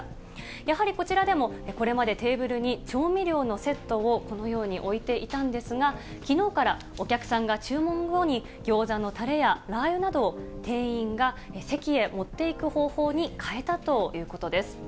やはりこちらでも、これまでテーブルに調味料のセットを、このように置いていたんですが、きのうからお客さんが注文後にギョーザのたれやラー油などを店員が席へ持っていく方法に変えたということです。